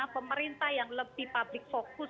pemerintah yang lebih public fokus